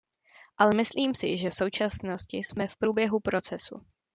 Ale myslím si, že v současnosti jsme v průběhu procesu.